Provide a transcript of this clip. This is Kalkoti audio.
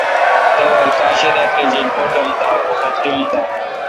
داول کاں شی دا تریجیت، باٹ اُم دہ کہ خختی ام دا۔